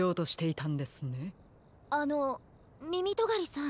あのみみとがりさん。